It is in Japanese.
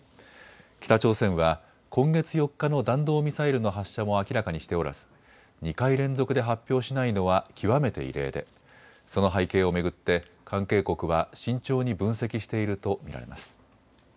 北朝鮮は今月４日の弾道ミサイルの発射も明らかにしておらず２回連続で発表しないのは極めて異例で、その背景を巡って関係国は慎重に分析していると見られます。